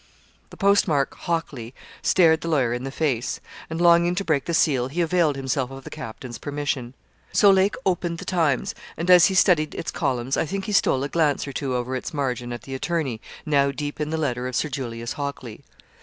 The postmark 'Hockley,' stared the lawyer in the face; and, longing to break the seal, he availed himself of the captain's permission. So Lake opened the 'Times;' and, as he studied its columns, I think he stole a glance or two over its margin at the attorney, now deep in the letter of Sir Julius Hockley.